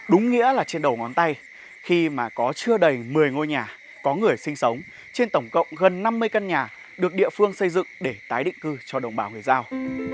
đúng nghĩa là trên đầu ngón tay khi mà có chưa đầy một mươi ngôi nhà có người sinh sống trên tổng cộng gần năm mươi căn nhà được địa phương xây dựng để tái định cư cho đồng bào người giao